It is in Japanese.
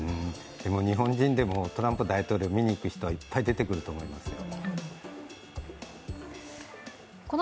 日本人でもトランプ大統領見に行く人、いっぱい出てくると思いますよ。